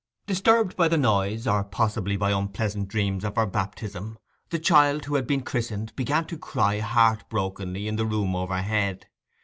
Disturbed by the noise, or possibly by unpleasant dreams of her baptism, the child who had been christened began to cry heart brokenly in the room overhead.